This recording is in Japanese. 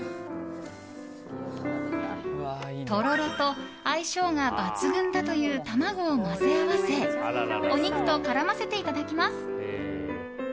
とろろと相性が抜群だという卵を混ぜ合わせお肉と絡ませていただきます。